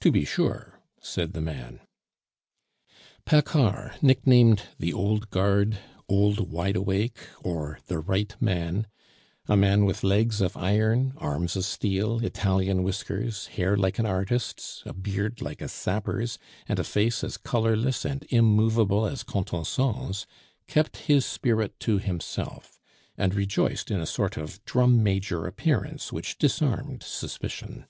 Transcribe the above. "To be sure," said the man. Paccard, nicknamed The Old Guard, Old Wide Awake, or The Right Man a man with legs of iron, arms of steel, Italian whiskers, hair like an artist's, a beard like a sapper's, and a face as colorless and immovable as Contenson's, kept his spirit to himself, and rejoiced in a sort of drum major appearance which disarmed suspicion.